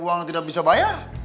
dia memang tidak bisa bayar